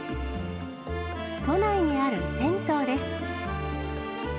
都内にある銭湯です。